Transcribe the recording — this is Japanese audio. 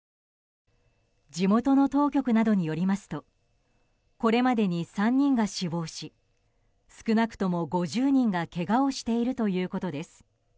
地元の当局などによりますとこれまでに３人が死亡し少なくとも５０人がけがをしているということです。